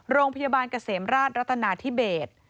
โรงพยาบาลเกษมราชรัตนาธิเบส